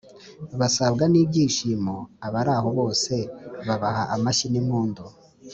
basabwa n'ibyishimo, abari aho bose babaha amashyi n'impundu.